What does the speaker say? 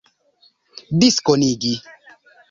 diskonigi